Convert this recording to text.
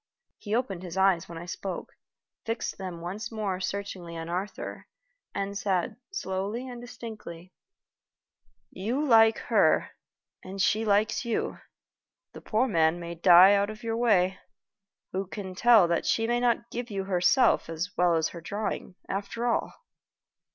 He opened his eyes when I spoke, fixed them once more searchingly on Arthur, and said, slowly and distinctly: "You like her, and she likes you. The poor man may die out of your way. Who can tell that she may not give you herself as well as her drawing, after all?"